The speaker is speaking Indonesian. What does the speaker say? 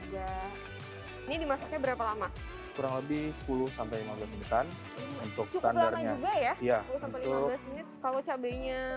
juga ini dimasaknya berapa lama kurang lebih sepuluh lima belas menit untuk standarnya ya kalau cabenya